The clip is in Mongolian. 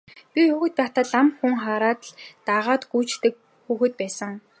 Би хүүхэд байхдаа лам хүн хараад л дагаад гүйчихдэг хүүхэд байсан.